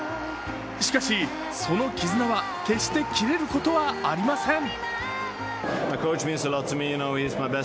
しかし、その絆は決して切れることはありません。